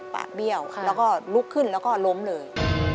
เบี้ยวแล้วก็ลุกขึ้นแล้วก็ล้มเลย